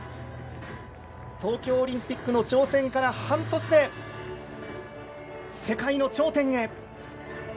東京オリンピックの挑戦から半年で世界の頂点へ。